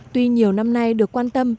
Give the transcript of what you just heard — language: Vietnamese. tuy nhiều năm nay được quan tâm